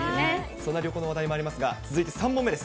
そんな旅行の話題もありますが、続いて３問目です。